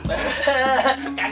saya juga policymakers